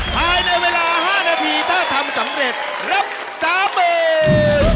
ภายในเวลาห้านาทีถ้าทำสำเร็จรับสามหมื่น